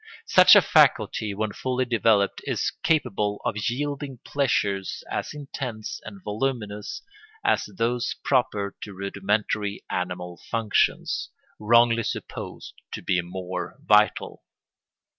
Such a faculty, when fully developed, is capable of yielding pleasures as intense and voluminous as those proper to rudimentary animal functions, wrongly supposed to be more vital.